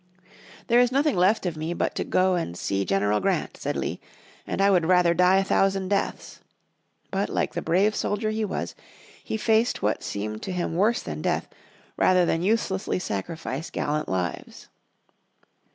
"There is nothing left me but to go and see General Grant," said Lee, "and I would rather die a thousand deaths." But like the brave soldier he was, he faced what seemed worse that death rather than uselessly sacrifice gallant lives.